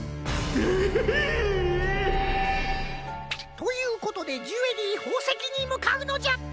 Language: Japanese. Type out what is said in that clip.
ひいっ！ということでジュエリーほうせきにむかうのじゃ！